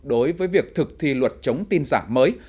đối với việc thực thi luật chống tin giả mới